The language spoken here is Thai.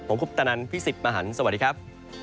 ผมคุปตนันพี่สิทธิ์มหันฯสวัสดีครับ